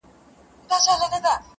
o کږه ملا په قبر کي سمېږي!